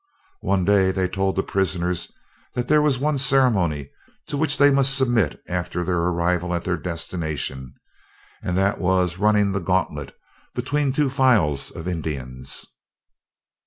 One day they told the prisoners that there was one ceremony to which they must submit after their arrival at their destination, and that was running the gauntlet between two files of Indians.